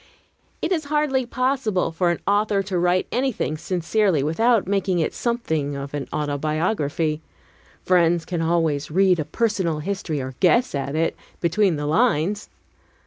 It is hardly possible for an author to write anything sincerely without making it something of an autobiography. Friends can always read a personal history, or guess at it, between the lines.